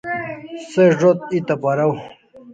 Se zo't eta paraw